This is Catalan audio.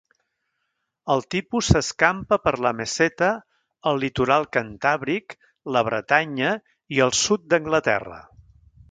El tipus s'escampa per la Meseta, el litoral cantàbric, la Bretanya i el sud d'Anglaterra.